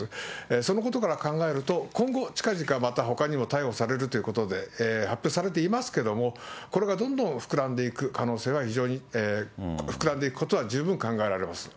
そのことから考えると、今後、ちかぢかまたほかにも逮捕されるということで、発表されていますけれども、これがどんどん膨らんでいく可能性は非常に、膨らんでいくことは十分に考えられます。